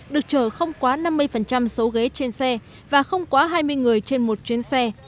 được chở không quá năm mươi số ghế trên xe và không quá hai mươi người trên một chuyến xe